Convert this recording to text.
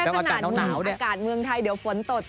แค่ขนาดอากาศเมืองไทยเดี๋ยวฝนตด